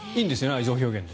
愛情表現で？